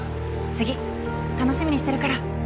次楽しみにしてるから。